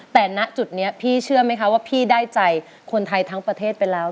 แต่ณจุดนี้พี่เชื่อไหมคะว่าพี่ได้ใจคนไทยทั้งประเทศไปแล้ว